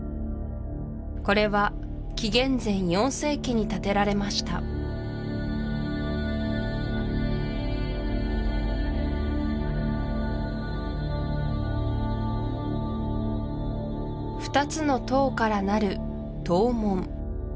これは紀元前４世紀に建てられました２つの塔から成る塔門